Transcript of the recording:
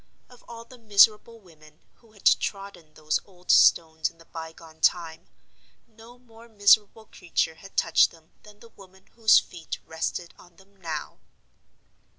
Of all the miserable women who had trodden those old stones in the bygone time, no more miserable creature had touched them than the woman whose feet rested on them now.